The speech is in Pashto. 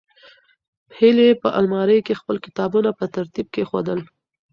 هیلې په المارۍ کې خپل کتابونه په ترتیب کېښودل.